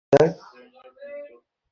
খা, এটাও খা!